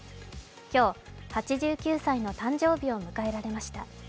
今日、８９歳の誕生日を迎えられました。